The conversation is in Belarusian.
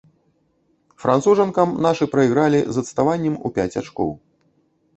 Францужанкам нашы прайгралі з адставаннем у пяць ачкоў.